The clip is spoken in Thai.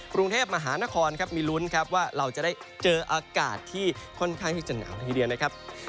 กรุงเทพมหานครครับมีลุ้นครับว่าเราจะได้เจออากาศที่ค่อนข้างที่จะหนาวทีเดียวนะครับ